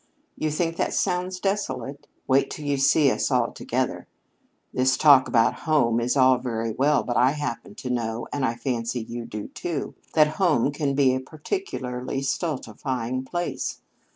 "You think that sounds desolate? Wait till you see us all together. This talk about 'home' is all very well, but I happen to know and I fancy you do, too that home can be a particularly stultifying place.